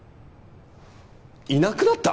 いなくなった！？